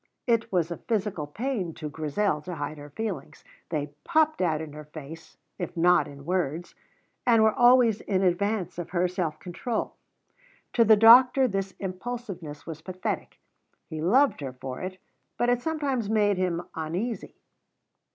It was a physical pain to Grizel to hide her feelings; they popped out in her face, if not in words, and were always in advance of her self control. To the doctor this impulsiveness was pathetic; he loved her for it, but it sometimes made him uneasy.